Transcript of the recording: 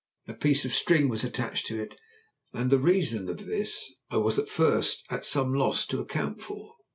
A piece of string was attached to it, and the reason of this I was at first at some loss to account for.